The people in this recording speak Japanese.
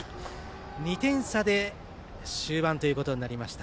２点差で終盤ということになりました。